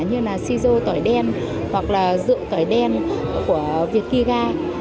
như là si rô tỏi đen hoặc là rượu tỏi đen của vietkiga